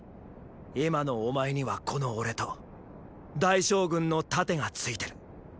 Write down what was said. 今のお前にはこの俺と大将軍の盾がついてる。